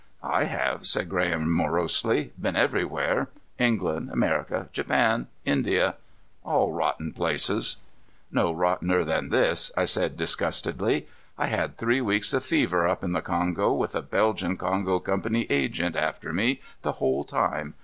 "I have," said Graham morosely. "Been everywhere. England, America, Japan, India. All rotten places." "No rottener than this," I said disgustedly. "I had three weeks of fever up in the Kongo, with a Belgian Kongo Company agent after me the whole time.